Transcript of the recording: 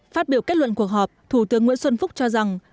phát biểu kết luận cuộc họp thủ tướng nguyễn xuân phúc cho rằng